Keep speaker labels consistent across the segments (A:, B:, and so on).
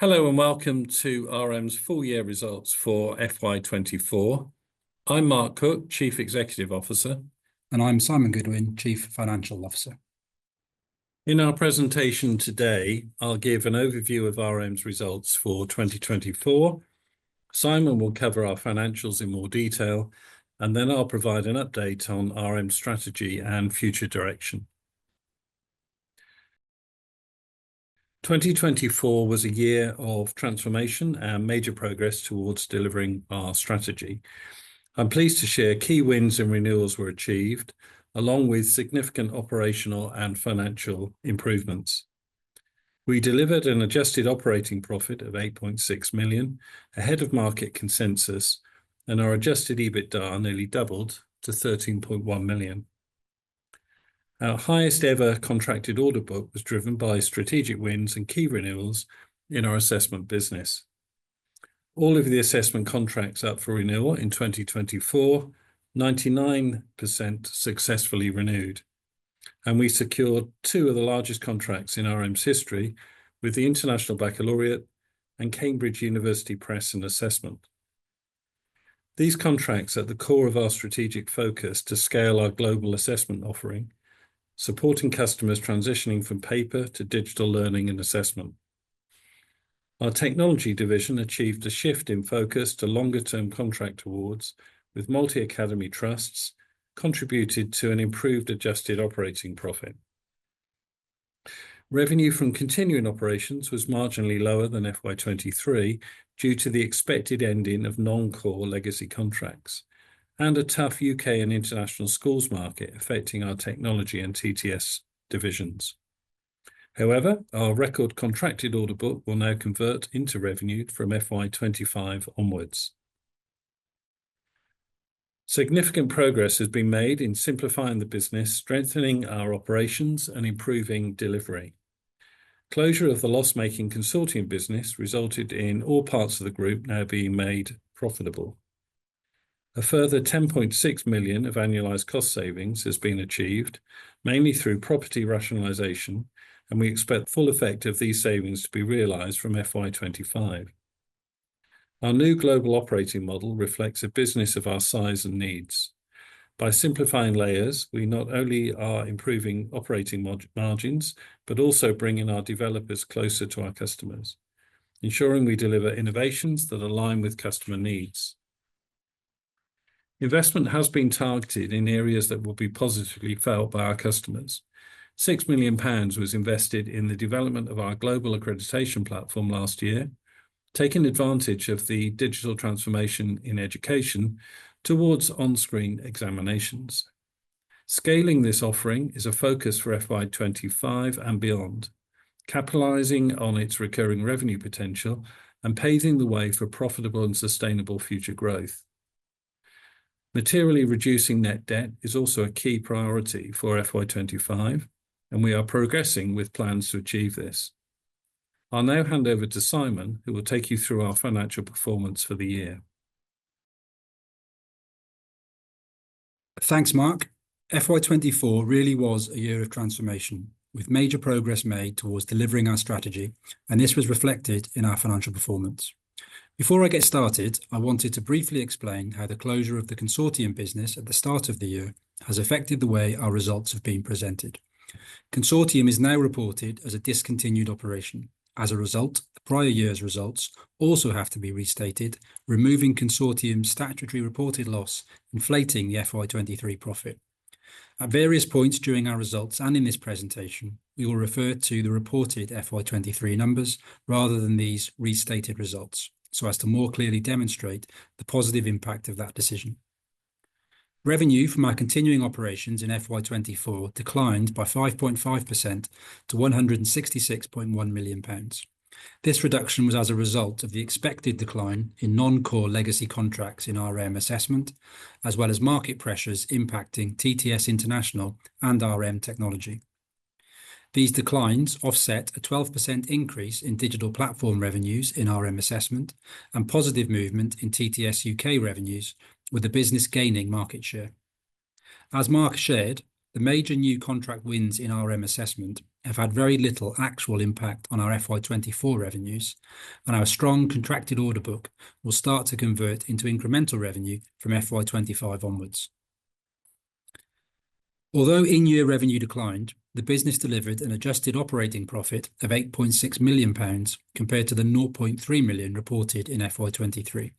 A: Hello and welcome to RM's Full Year results for FY 2024. I'm Mark Cook, Chief Executive Officer.
B: I'm Simon Goodwin, Chief Financial Officer.
A: In our presentation today, I'll give an overview of RM's results for 2024. Simon will cover our financials in more detail, and then I'll provide an update on RM's strategy and future direction. 2024 was a year of transformation and major progress towards delivering our strategy. I'm pleased to share key wins and renewals were achieved, along with significant operational and financial improvements. We delivered an adjusted operating profit of 8.6 million ahead of market consensus, and our adjusted EBITDA nearly doubled to 13.1 million. Our highest ever contracted order book was driven by strategic wins and key renewals in our assessment business. All of the assessment contracts up for renewal in 2024, 99% successfully renewed, and we secured two of the largest contracts in RM's history with the International Baccalaureate and Cambridge University Press and Assessment. These contracts are at the core of our strategic focus to scale our global assessment offering, supporting customers transitioning from paper to digital learning and assessment. Our Technology division achieved a shift in focus to longer-term contract awards with multi-academy trusts, contributed to an improved adjusted operating profit. Revenue from continuing operations was marginally lower than FY 2023 due to the expected ending of non-core legacy contracts and a tough U.K. and international schools market affecting our Technology and TTS divisions. However, our record contracted order book will now convert into revenue from FY 2025 onwards. Significant progress has been made in simplifying the business, strengthening our operations, and improving delivery. Closure of the loss-making Consortium business resulted in all parts of the group now being made profitable. A further 10.6 million of annualized cost savings has been achieved, mainly through property rationalization, and we expect the full effect of these savings to be realized from FY 2025. Our new global operating model reflects a business of our size and needs. By simplifying layers, we not only are improving operating margins but also bringing our developers closer to our customers, ensuring we deliver innovations that align with customer needs. Investment has been targeted in areas that will be positively felt by our customers. 6 million pounds was invested in the development of our Global Accreditation Platform last year, taking advantage of the digital transformation in education towards on-screen examinations. Scaling this offering is a focus for FY 2025 and beyond, capitalizing on its recurring revenue potential and paving the way for profitable and sustainable future growth. Materially reducing net debt is also a key priority for FY 2025, and we are progressing with plans to achieve this. I'll now hand over to Simon, who will take you through our financial performance for the year.
B: Thanks, Mark. FY24 really was a year of transformation with major progress made towards delivering our strategy, and this was reflected in our financial performance. Before I get started, I wanted to briefly explain how the closure of the Consortium business at the start of the year has affected the way our results have been presented. Consortium is now reported as a discontinued operation. As a result, the prior year's results also have to be restated, removing Consortium's statutory reported loss, inflating the FY23 profit. At various points during our results and in this presentation, we will refer to the reported FY23 numbers rather than these restated results so as to more clearly demonstrate the positive impact of that decision. Revenue from our continuing operations in FY24 declined by 5.5% to 166.1 million pounds. This reduction was as a result of the expected decline in non-core legacy contracts in RM Assessment, as well as market pressures impacting TTS International and RM Technology. These declines offset a 12% increase in digital platform revenues in RM Assessment and positive movement in TTS U.K. revenues, with the business gaining market share. As Mark shared, the major new contract wins in RM Assessment have had very little actual impact on our FY2024 revenues, and our strong contracted order book will start to convert into incremental revenue from FY2025 onwards. Although in-year revenue declined, the business delivered an adjusted operating profit of 8.6 million pounds compared to the 0.3 million reported in FY2023.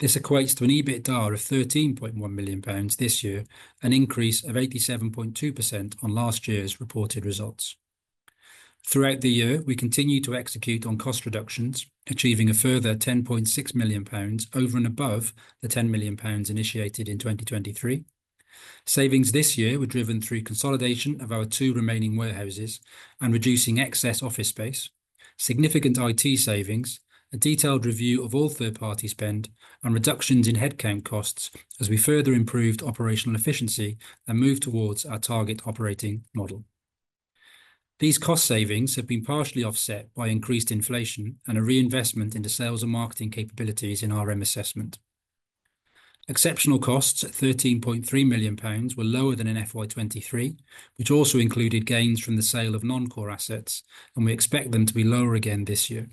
B: This equates to an EBITDA of 13.1 million pounds this year, an increase of 87.2% on last year's reported results. Throughout the year, we continue to execute on cost reductions, achieving a further 10.6 million pounds over and above the 10 million pounds initiated in 2023. Savings this year were driven through consolidation of our two remaining warehouses and reducing excess office space, significant IT savings, a detailed review of all third-party spend, and reductions in headcount costs as we further improved operational efficiency and moved towards our target operating model. These cost savings have been partially offset by increased inflation and a reinvestment into sales and marketing capabilities in RM Assessment. Exceptional costs at 13.3 million pounds were lower than in FY 2023, which also included gains from the sale of non-core assets, and we expect them to be lower again this year.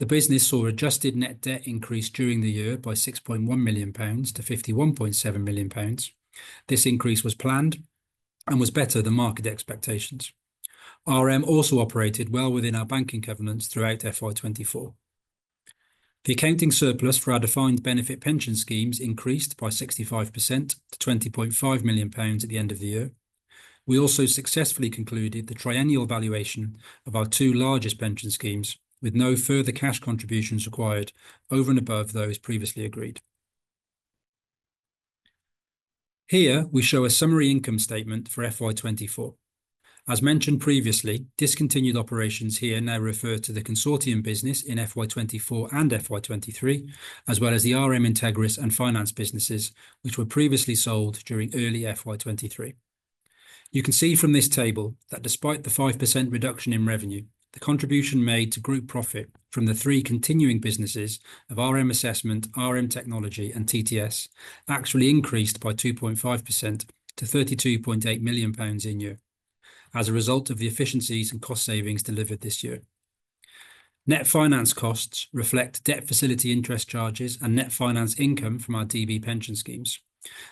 B: The business saw adjusted net debt increase during the year by 6.1 million pounds to 51.7 million pounds. This increase was planned and was better than market expectations. RM also operated well within our banking covenants throughout FY2024. The accounting surplus for our defined benefit pension schemes increased by 65% to 20.5 million pounds at the end of the year. We also successfully concluded the triennial valuation of our two largest pension schemes, with no further cash contributions required over and above those previously agreed. Here we show a summary income statement for FY 2024. As mentioned previously, discontinued operations here now refer to the Consortium business in FY 2024 and FY 2023, as well as the RM Integris and Finance businesses, which were previously sold during early FY 2023. You can see from this table that despite the 5% reduction in revenue, the contribution made to group profit from the three continuing businesses of RM Assessment, RM Technology, and TTS actually increased by 2.5% to 32.8 million pounds in year as a result of the efficiencies and cost savings delivered this year. Net finance costs reflect debt facility interest charges and net finance income from our DB pension schemes.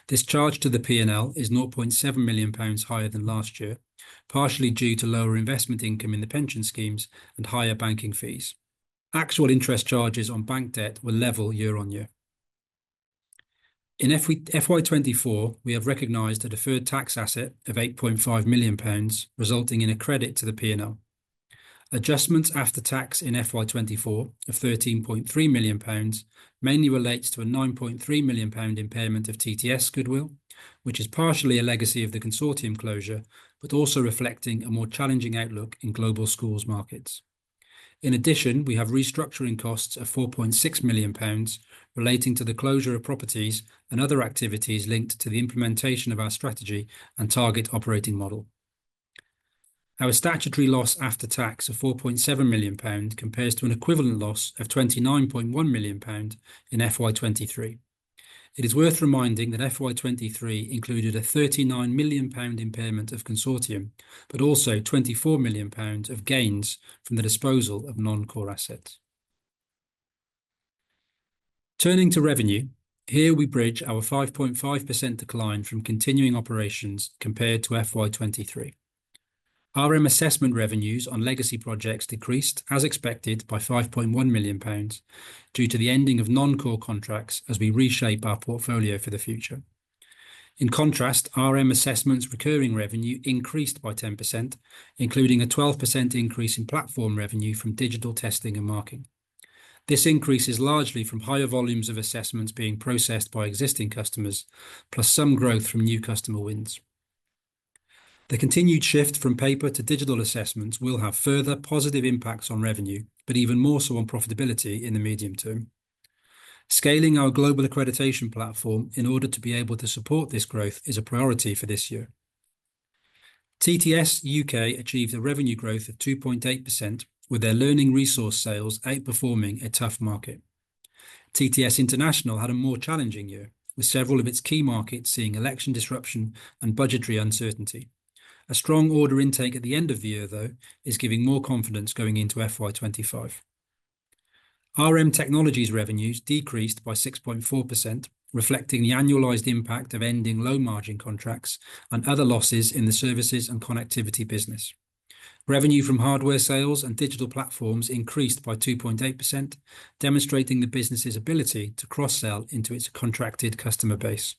B: This charge to the P&L is 0.7 million pounds higher than last year, partially due to lower investment income in the pension schemes and higher banking fees. Actual interest charges on bank debt were level year on year. In FY 2024, we have recognized a deferred tax asset of 8.5 million pounds, resulting in a credit to the P&L. Adjustments after tax in FY 2024 of 13.3 million pounds mainly relates to a 9.3 million pound impairment of TTS goodwill, which is partially a legacy of the Consortium closure, but also reflecting a more challenging outlook in global schools markets. In addition, we have restructuring costs of 4.6 million pounds relating to the closure of properties and other activities linked to the implementation of our strategy and target operating model. Our statutory loss after tax of 4.7 million pounds compares to an equivalent loss of 29.1 million pound in 2023. It is worth reminding that 2023 included a 39 million pound impairment of Consortium, but also 24 million pounds of gains from the disposal of non-core assets. Turning to revenue, here we bridge our 5.5% decline from continuing operations compared to 2023. RM assessment revenues on legacy projects decreased, as expected, by 5.1 million pounds due to the ending of non-core contracts as we reshape our portfolio for the future. In contrast, RM Assessment's recurring revenue increased by 10%, including a 12% increase in platform revenue from digital testing and marking. This increase is largely from higher volumes of assessments being processed by existing customers, plus some growth from new customer wins. The continued shift from paper to digital assessments will have further positive impacts on revenue, but even more so on profitability in the medium term. Scaling our Global Accreditation Platform in order to be able to support this growth is a priority for this year. TTS U.K. achieved a revenue growth of 2.8%, with their learning resource sales outperforming a tough market. TTS International had a more challenging year, with several of its key markets seeing election disruption and budgetary uncertainty. A strong order intake at the end of the year, though, is giving more confidence going into FY2025. RM Technology's revenues decreased by 6.4%, reflecting the annualized impact of ending low-margin contracts and other losses in the services and connectivity business. Revenue from hardware sales and digital platforms increased by 2.8%, demonstrating the business's ability to cross-sell into its contracted customer base.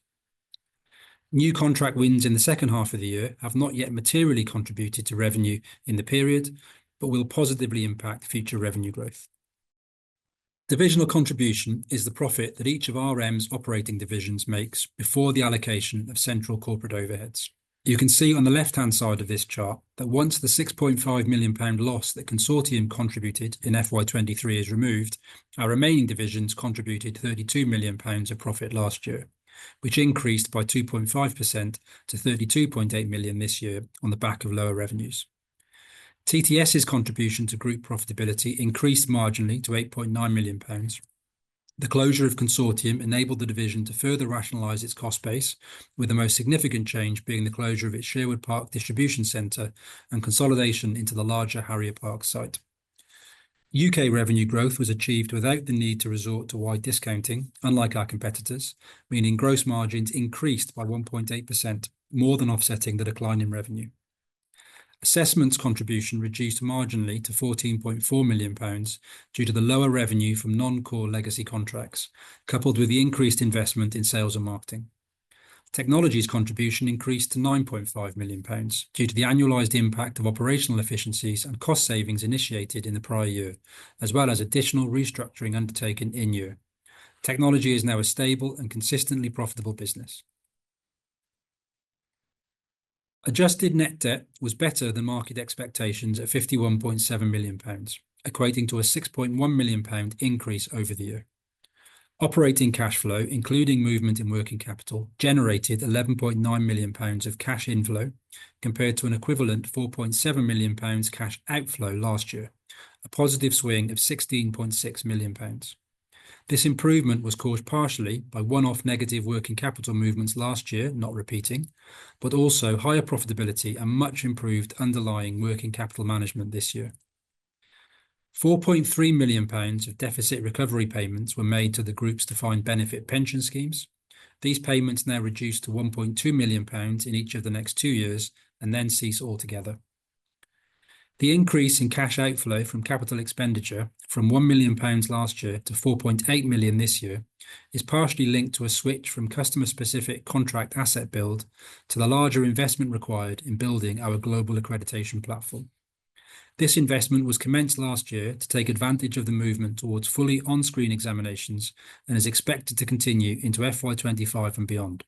B: New contract wins in the second half of the year have not yet materially contributed to revenue in the period, but will positively impact future revenue growth. Divisional contribution is the profit that each of RM's operating divisions makes before the allocation of central corporate overheads. You can see on the left-hand side of this chart that once the 6.5 million pound loss that Consortium contributed in 2023 is removed, our remaining divisions contributed 32 million pounds of profit last year, which increased by 2.5% to 32.8 million this year on the back of lower revenues. TTS's contribution to group profitability increased marginally to 8.9 million pounds. The closure of Consortium enabled the division to further rationalize its cost base, with the most significant change being the closure of its Sherwood Park distribution center and consolidation into the larger Harrier Park site. U.K. revenue growth was achieved without the need to resort to wide discounting, unlike our competitors, meaning gross margins increased by 1.8%, more than offsetting the decline in revenue. Assessment's contribution reduced marginally to GBP 14.4 million due to the lower revenue from non-core legacy contracts, coupled with the increased investment in sales and marketing. Technology's contribution increased to 9.5 million pounds due to the annualized impact of operational efficiencies and cost savings initiated in the prior year, as well as additional restructuring undertaken in year. Technology is now a stable and consistently profitable business. Adjusted net debt was better than market expectations at 51.7 million pounds, equating to a 6.1 million pound increase over the year. Operating cash flow, including movement in working capital, generated 11.9 million pounds of cash inflow compared to an equivalent 4.7 million pounds cash outflow last year, a positive swing of 16.6 million pounds. This improvement was caused partially by one-off negative working capital movements last year, not repeating, but also higher profitability and much improved underlying working capital management this year. 4.3 million pounds of deficit recovery payments were made to the group's defined benefit pension schemes. These payments now reduce to 1.2 million pounds in each of the next two years and then cease altogether. The increase in cash outflow from capital expenditure from 1 million pounds last year to 4.8 million this year is partially linked to a switch from customer-specific contract asset build to the larger investment required in building our Global Accreditation Platform. This investment was commenced last year to take advantage of the movement towards fully on-screen examinations and is expected to continue into FY 2025 and beyond.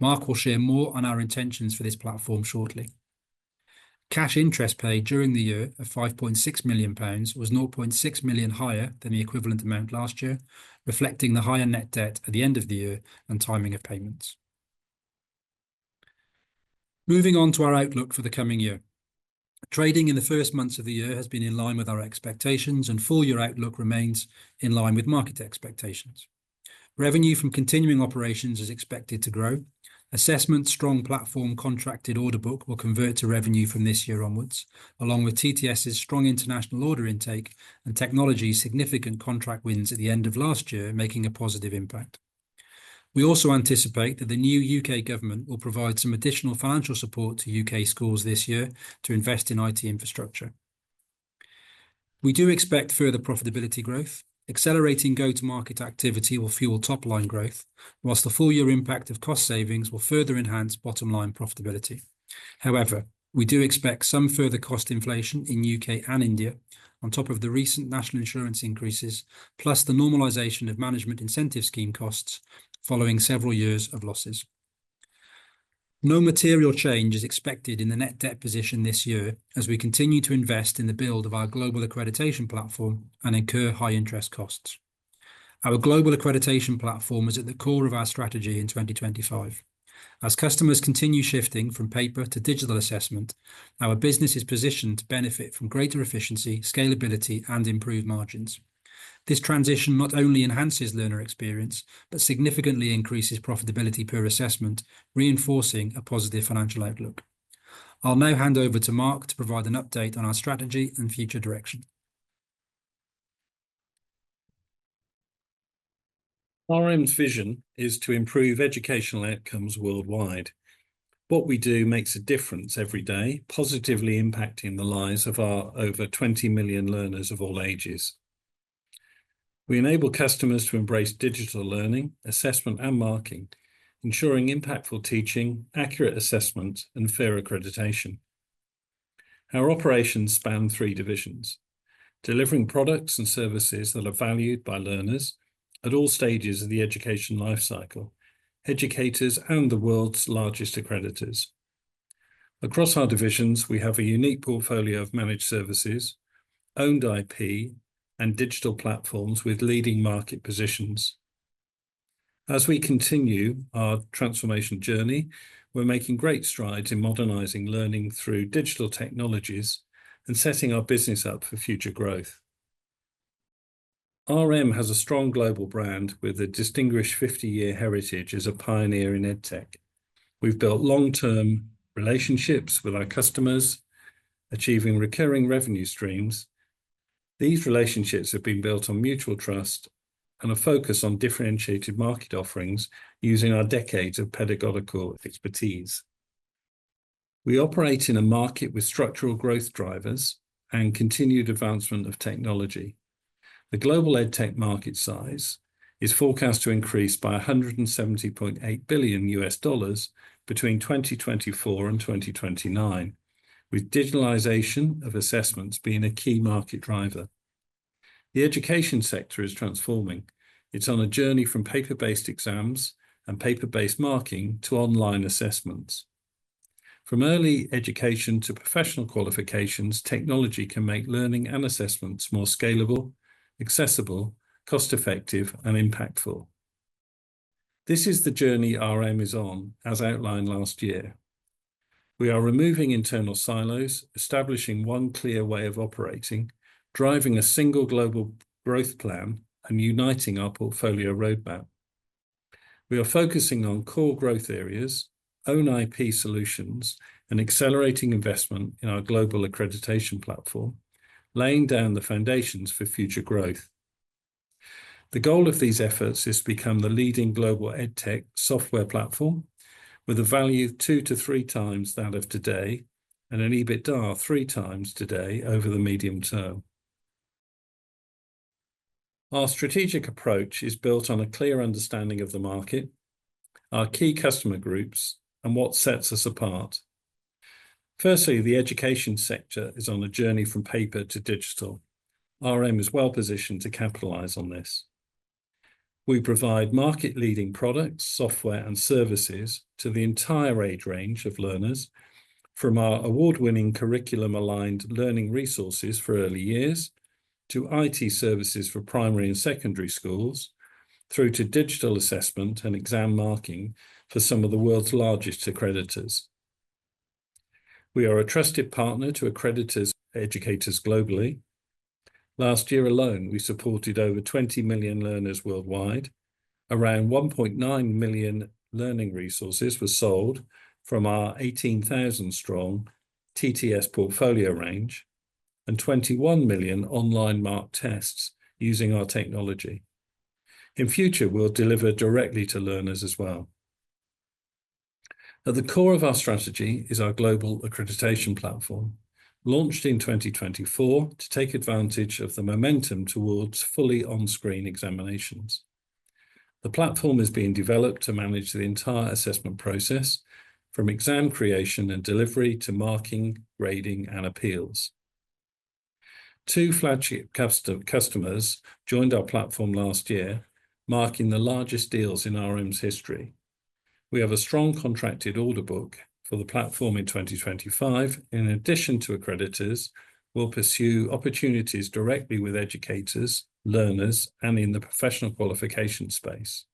B: Mark will share more on our intentions for this platform shortly. Cash interest paid during the year of 5.6 million pounds was 0.6 million higher than the equivalent amount last year, reflecting the higher net debt at the end of the year and timing of payments. Moving on to our outlook for the coming year. Trading in the first months of the year has been in line with our expectations, and full year outlook remains in line with market expectations. Revenue from continuing operations is expected to grow. Assessment's strong platform contracted order book will convert to revenue from this year onwards, along with TTS's strong international order intake and technology's significant contract wins at the end of last year, making a positive impact. We also anticipate that the new U.K. government will provide some additional financial support to U.K. schools this year to invest in IT infrastructure. We do expect further profitability growth. Accelerating go-to-market activity will fuel top-line growth, whilst the full year impact of cost savings will further enhance bottom-line profitability. However, we do expect some further cost inflation in the U.K. and India, on top of the recent National Insurance increases, plus the normalization of management incentive scheme costs following several years of losses. No material change is expected in the net debt position this year as we continue to invest in the build of our Global Accreditation Platform and incur high interest costs. Our Global Accreditation Platform is at the core of our strategy in 2025. As customers continue shifting from paper to digital assessment, our business is positioned to benefit from greater efficiency, scalability, and improved margins. This transition not only enhances learner experience, but significantly increases profitability per assessment, reinforcing a positive financial outlook. I'll now hand over to Mark to provide an update on our strategy and future direction.
A: RM's vision is to improve educational outcomes worldwide. What we do makes a difference every day, positively impacting the lives of our over 20 million learners of all ages. We enable customers to embrace digital learning, assessment, and marking, ensuring impactful teaching, accurate assessments, and fair accreditation. Our operations span three divisions, delivering products and services that are valued by learners at all stages of the education life cycle, educators, and the world's largest accreditors. Across our divisions, we have a unique portfolio of managed services, owned IP, and digital platforms with leading market positions. As we continue our transformation journey, we're making great strides in modernizing learning through digital technologies and setting our business up for future growth. RM has a strong global brand with a distinguished 50-year heritage as a pioneer in edtech. We've built long-term relationships with our customers, achieving recurring revenue streams. These relationships have been built on mutual trust and a focus on differentiated market offerings using our decades of pedagogical expertise. We operate in a market with structural growth drivers and continued advancement of technology. The global edtech market size is forecast to increase by $170.8 billion between 2024 and 2029, with digitalization of assessments being a key market driver. The education sector is transforming. It's on a journey from paper-based exams and paper-based marking to online assessments. From early education to professional qualifications, technology can make learning and assessments more scalable, accessible, cost-effective, and impactful. This is the journey RM is on, as outlined last year. We are removing internal silos, establishing one clear way of operating, driving a single global growth plan, and uniting our portfolio roadmap. We are focusing on core growth areas, owned IP solutions, and accelerating investment in our Global Accreditation Platform, laying down the foundations for future growth. The goal of these efforts is to become the leading global edtech software platform, with a value two to three times that of today and an EBITDA three times today over the medium term. Our strategic approach is built on a clear understanding of the market, our key customer groups, and what sets us apart. Firstly, the education sector is on a journey from paper to digital. RM is well positioned to capitalize on this. We provide market-leading products, software, and services to the entire age range of learners, from our award-winning curriculum-aligned learning resources for early years to IT services for primary and secondary schools, through to digital assessment and exam marking for some of the world's largest accreditors. We are a trusted partner to accreditors and educators globally. Last year alone, we supported over 20 million learners worldwide. Around 1.9 million learning resources were sold from our 18,000-strong TTS portfolio range and 21 million online marked tests using our Technology. In future, we'll deliver directly to learners as well. At the core of our strategy is our Global Accreditation Platform, launched in 2024 to take advantage of the momentum towards fully on-screen examinations. The platform is being developed to manage the entire assessment process, from exam creation and delivery to marking, grading, and appeals. Two flagship customers joined our platform last year, marking the largest deals in RM's history. We have a strong contracted order book for the platform in 2025. In addition to accreditors, we'll pursue opportunities directly with educators, learners, and in the professional qualification space.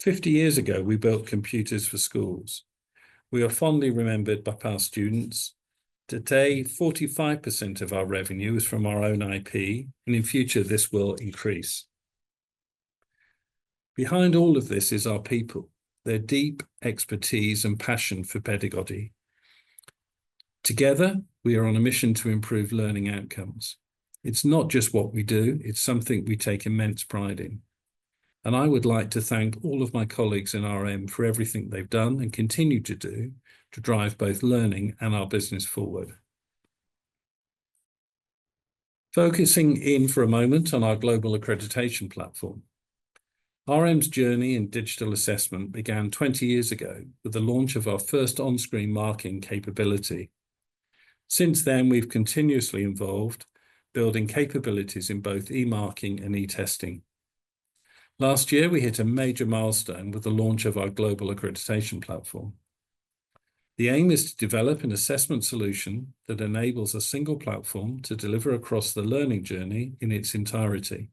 A: Fifty years ago, we built computers for schools. We are fondly remembered by past students. Today, 45% of our revenue is from our own IP, and in future, this will increase. Behind all of this is our people, their deep expertise, and passion for pedagogy. Together, we are on a mission to improve learning outcomes. It's not just what we do; it's something we take immense pride in. I would like to thank all of my colleagues in RM for everything they've done and continue to do to drive both learning and our business forward. Focusing in for a moment on our Global Accreditation Platform, RM's journey in digital assessment began 20 years ago with the launch of our first on-screen marking capability. Since then, we've continuously evolved, building capabilities in both e-marking and e-testing. Last year, we hit a major milestone with the launch of our Global Accreditation Platform. The aim is to develop an assessment solution that enables a single platform to deliver across the learning journey in its entirety.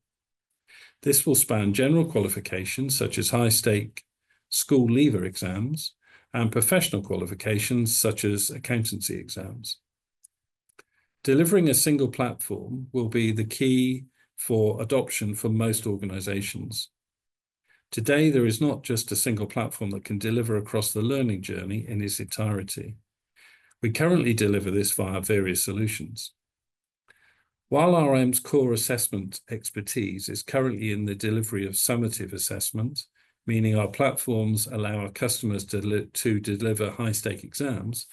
A: This will span general qualifications such as high-stakes school leaver exams and professional qualifications such as accountancy exams. Delivering a single platform will be the key for adoption for most organizations. Today, there is not just a single platform that can deliver across the learning journey in its entirety. We currently deliver this via various solutions. While RM's core assessment expertise is currently in the delivery of summative assessment, meaning our platforms allow our customers to deliver high-stakes exams,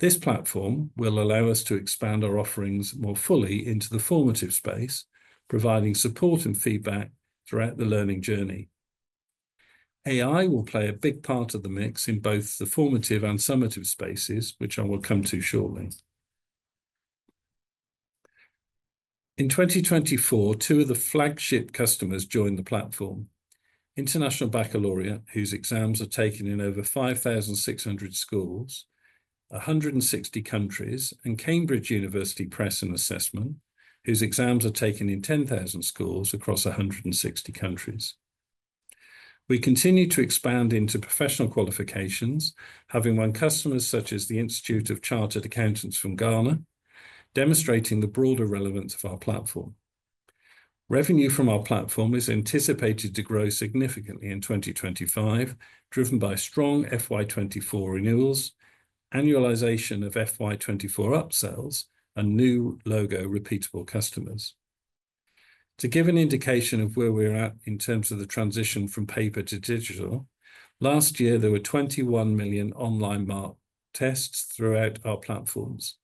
A: this platform will allow us to expand our offerings more fully into the formative space, providing support and feedback throughout the learning journey. AI will play a big part of the mix in both the formative and summative spaces, which I will come to shortly. In 2024, two of the flagship customers joined the platform: International Baccalaureate, whose exams are taken in over 5,600 schools, 160 countries, and Cambridge University Press and Assessment, whose exams are taken in 10,000 schools across 160 countries. We continue to expand into professional qualifications, having won customers such as the Institute of Chartered Accountants from Ghana, demonstrating the broader relevance of our platform. Revenue from our platform is anticipated to grow significantly in 2025, driven by strong FY24 renewals, annualization of FY24 upsells, and new logo repeatable customers. To give an indication of where we're at in terms of the transition from paper to digital, last year there were 21 million online marked tests throughout our platforms,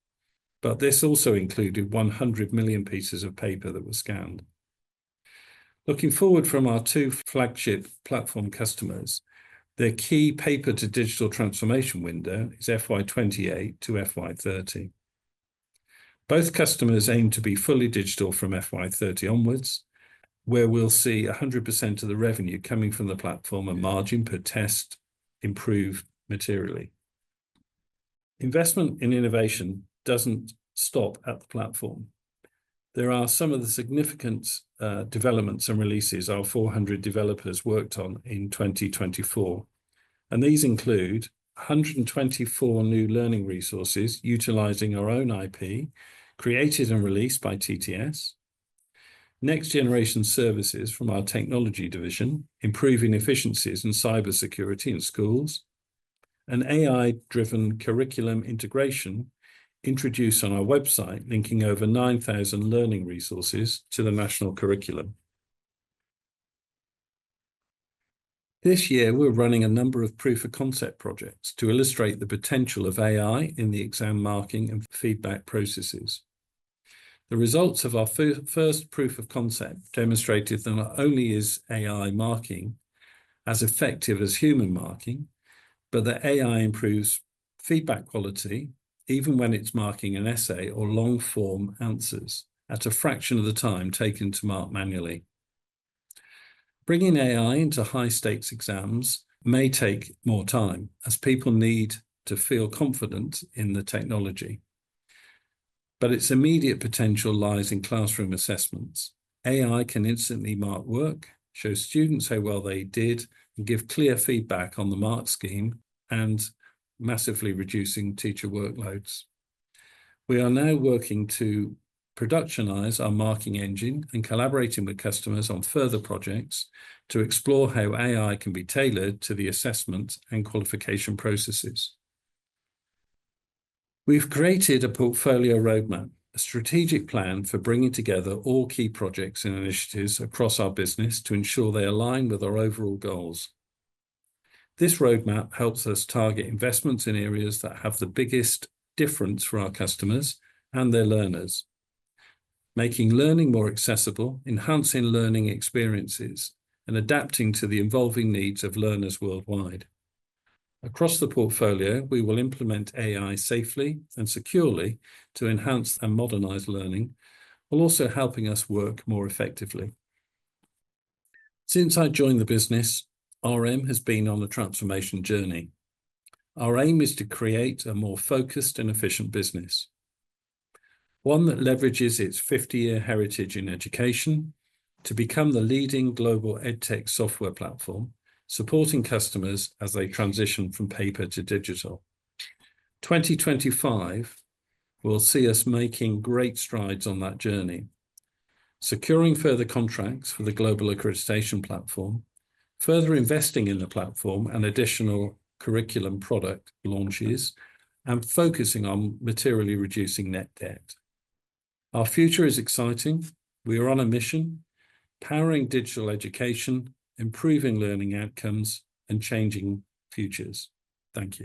A: but this also included 100 million pieces of paper that were scanned. Looking forward from our two flagship platform customers, their key paper-to-digital transformation window is FY28 to FY30. Both customers aim to be fully digital from FY30 onwards, where we'll see 100% of the revenue coming from the platform and margin per test improve materially. Investment in innovation doesn't stop at the platform. There are some of the significant developments and releases our 400 developers worked on in 2024, and these include 124 new learning resources utilizing our own IP, created and released by TTS, next-generation services from our Technology division, improving efficiencies in cybersecurity in schools, and AI-driven curriculum integration introduced on our website, linking over 9,000 learning resources to the national curriculum. This year, we're running a number of proof of concept projects to illustrate the potential of AI in the exam marking and feedback processes. The results of our first proof of concept demonstrated that not only is AI marking as effective as human marking, but that AI improves feedback quality even when it's marking an essay or long-form answers at a fraction of the time taken to mark manually. Bringing AI into high-stakes exams may take more time, as people need to feel confident in the technology. Its immediate potential lies in classroom assessments. AI can instantly mark work, show students how well they did, and give clear feedback on the mark scheme, massively reducing teacher workloads. We are now working to productionize our marking engine and collaborating with customers on further projects to explore how AI can be tailored to the assessment and qualification processes. We've created a portfolio roadmap, a strategic plan for bringing together all key projects and initiatives across our business to ensure they align with our overall goals. This roadmap helps us target investments in areas that have the biggest difference for our customers and their learners, making learning more accessible, enhancing learning experiences, and adapting to the evolving needs of learners worldwide. Across the portfolio, we will implement AI safely and securely to enhance and modernize learning, while also helping us work more effectively. Since I joined the business, RM has been on a transformation journey. Our aim is to create a more focused and efficient business, one that leverages its 50-year heritage in education to become the leading global edtech software Platform, supporting customers as they transition from paper to digital. 2025 will see us making great strides on that journey, securing further contracts for the Global Accreditation Platform, further investing in the platform and additional curriculum product launches, and focusing on materially reducing net debt. Our future is exciting. We are on a mission: powering digital education, improving learning outcomes, and changing futures. Thank you.